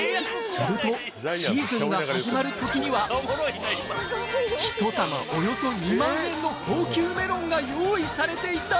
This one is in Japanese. すると、シーズンが始まるときには、１玉およそ２万円の高級メロンが用意されていた。